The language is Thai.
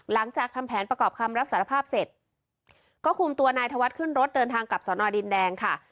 หลังจากทำแผนประกอบคำรับสารภาพเสร็จก็คุมตัวนายธวัฒน์ขึ้นรถเดินทางกลับสอนอดินแดงค่ะ